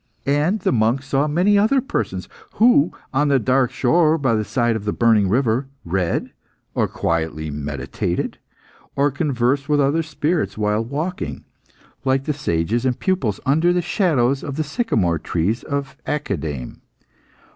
And the monk saw many other persons, who, on the dark shore by the side of the burning river, read, or quietly meditated, or conversed with other spirits while walking, like the sages and pupils under the shadow of the sycamore trees of Academe.